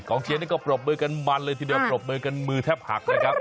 เชียร์นี่ก็ปรบมือกันมันเลยทีเดียวปรบมือกันมือแทบหักนะครับ